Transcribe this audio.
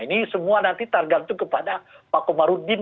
ini semua nanti tergantung kepada pak komarudin